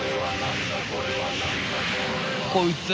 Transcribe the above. こいつぁ